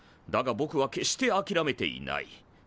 だがぼくは決してあきらめていない。